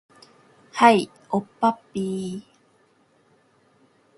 はい、おっぱっぴー